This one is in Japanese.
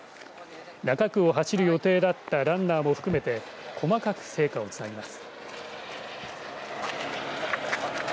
中区を走る予定だったランナーも含めて細かく聖火をつなぎます。